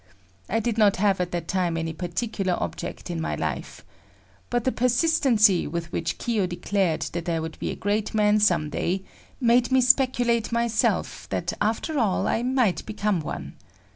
I did not have at that time any particular object in my life. But the persistency with which Kiyo declared that I would be a great man some day, made me speculate myself that after all I might become one.